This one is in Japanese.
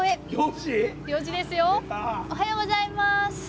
おはようございます。